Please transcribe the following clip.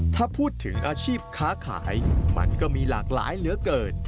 ถ้าพูดถึงอาชีพค้าขายมันก็มีหลากหลายเหลือเกิน